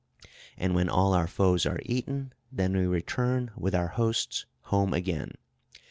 And when all our foes are eaten, then we return with our hosts home again.